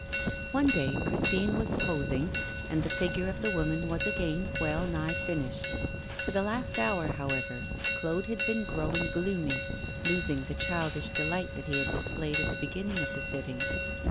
One day Christine was posing, and the figure of the woman was again well nigh finished. For the last hour, however, Claude had been growing gloomy, losing the childish delight that he had displayed at the beginning of the sitting.